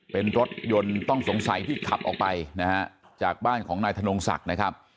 เป็นรถยนต์ต้องสงสัยที่ขับออกไปนะฮะจากบ้านของนายธนงศักดิ์นะครับ